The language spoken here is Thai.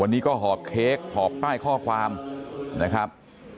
วันนี้ก็หอบเค้กหอบป้ายข้อความนะครับ